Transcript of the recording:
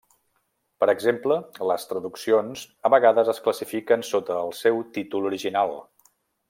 Per exemple, les traduccions a vegades es classifiquen sota el seu títol original.